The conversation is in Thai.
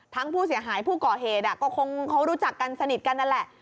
ทั้งผู้เสียหายผู้ก่อเหตุก็คงเขารู้จักกันสนิทกันนั่นแหละ